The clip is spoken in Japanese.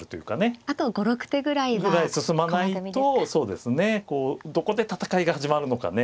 あと５６手ぐらいは。ぐらい進まないとどこで戦いが始まるのかね